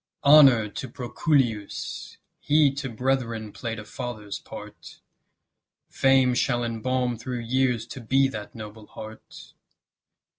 Honour to Proculeius! he To brethren play'd a father's part; Fame shall embalm through years to be That noble heart.